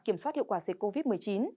kiểm soát hiệu quả dịch covid một mươi chín